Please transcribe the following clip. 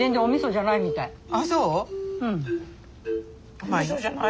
お味噌じゃないみたい！